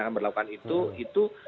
akan melakukan itu